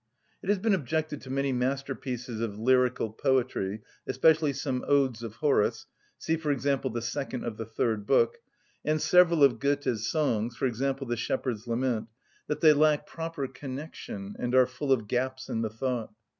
It has been objected to many masterpieces of lyrical poetry, especially some Odes of Horace (see, for example, the second of the third book) and several of Goethe's songs (for example, "The Shepherd's Lament"), that they lack proper connection and are full of gaps in the thought.